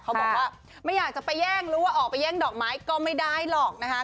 เขาบอกว่าไม่อยากจะไปแย่งหรือว่าออกไปแย่งดอกไม้ก็ไม่ได้หรอกนะคะ